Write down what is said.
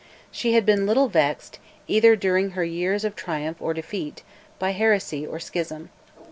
She had been little vexed, either during her years of triumph or defeat, by heresy or schism.